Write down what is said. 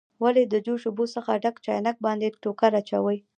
ولې د جوش اوبو څخه ډک چاینک باندې ټوکر اچوئ؟